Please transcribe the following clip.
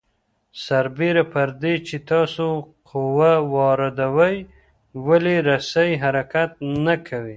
سربېره پر دې چې تاسو قوه واردوئ ولې رسۍ حرکت نه کوي؟